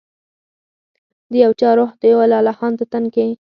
د یو چا روح و لا لهانده تن کي